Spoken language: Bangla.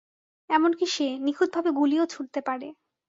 এমনকি সে, নিখুঁত ভাবে গুলিও ছুড়তে পারে।